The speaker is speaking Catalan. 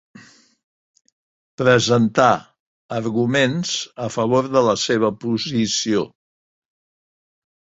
Presentà arguments a favor de la seva posició.